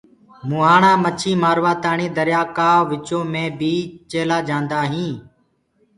مُهآڻآ مڇي مآروآتآڻي دريآ ڪآ وچو مينٚ بي چيلآ جآندآ هينٚ۔